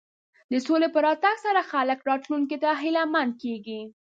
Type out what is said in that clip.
د سولې په راتګ سره خلک راتلونکي ته هیله مند کېږي.